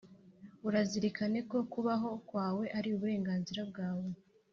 Urazirikane ko kubaho kwawe Ari uburenganzira bwawe